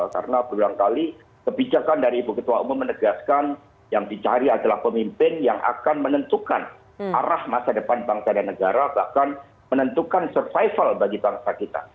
karena berulang kali kebijakan dari ibu ketua umum menegaskan yang dicari adalah pemimpin yang akan menentukan arah masa depan bangsa dan negara bahkan menentukan survival bagi bangsa kita